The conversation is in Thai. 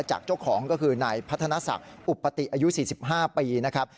จากเจ้าของก็คือนายพัฒนศักดิ์อุปติอายุ๔๕ปีนะครับ